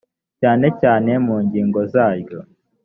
cyane cyane mu ngingo zaryo